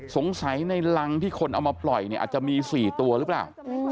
สงสัยในรังที่คนเอามาปล่อยเนี่ยอาจจะมี๔ตัวหรือเปล่า